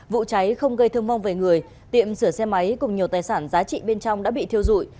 vụ cháy không gây thương vong về người tiệm sửa xe máy cùng nhiều tài sản giá trị bên trong đã bị thiêu dụi